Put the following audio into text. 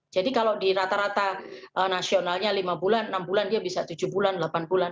jadi kalau di rata rata nasionalnya lima bulan enam bulan dia bisa tujuh bulan delapan bulan